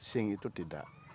shing itu tidak